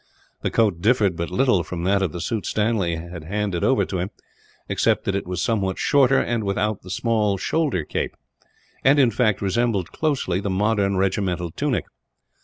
The coat differed but little from that of the suit Stanley had handed over to him; except that it was somewhat shorter and without the small shoulder cape and, in fact, resembled closely the modern regimental tunic.